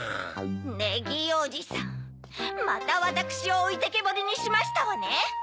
ネギーおじさんまたわたくしをおいてけぼりにしましたわね？